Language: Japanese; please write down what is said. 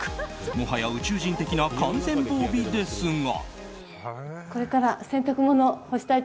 もはや宇宙人的な完全防備ですが。